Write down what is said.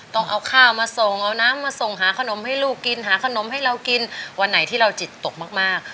ต้องเอาข้าวมาส่งเอาน้ำมาส่งหาขนมให้ลูกกินหาขนมให้เรากินวันไหนที่เราจิตตกมากมาก